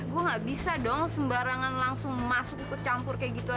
gue gak bisa dong sembarangan langsung masuk ikut campur kayak gitu aja